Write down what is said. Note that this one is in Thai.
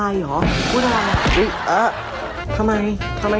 อะโทนดูดิบอกว่าทำไมโอ้ย